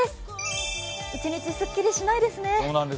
一日すっきりしないですね。